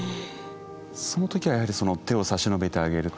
その時はやはり手を差し伸べてあげる。